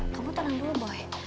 kamu tenang dulu boy